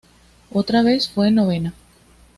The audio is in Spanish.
Otra vez fue novena.